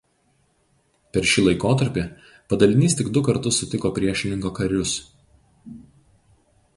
Per šį laikotarpį padalinys tik du kartus sutiko priešininko karius.